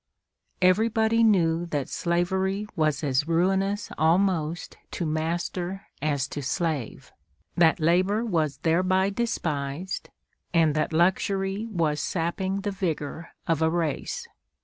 Everybody knew that slavery was as ruinous almost to master as to slave; that labor was thereby despised, and that luxury was sapping the vigor of a race.